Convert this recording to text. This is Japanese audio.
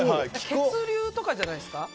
血流とかじゃないですか？